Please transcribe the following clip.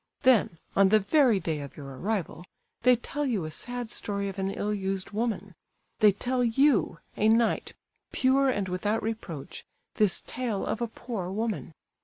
Then, on the very day of your arrival, they tell you a sad story of an ill used woman; they tell you, a knight, pure and without reproach, this tale of a poor woman!